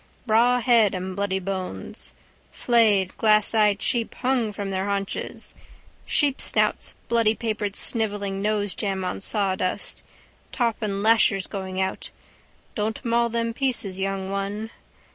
Rawhead and bloody bones. Flayed glasseyed sheep hung from their haunches, sheepsnouts bloodypapered snivelling nosejam on sawdust. Top and lashers going out. Don't maul them pieces, young one.